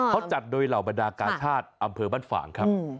เขาจัดโดยเหล่าบรรดากาชาติอำเภอบ้านฝ่างครับ